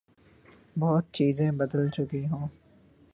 بہت چیزیں بدل چکی ہوں۔